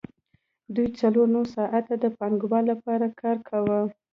دوی څلور نور ساعتونه د پانګوال لپاره کار کاوه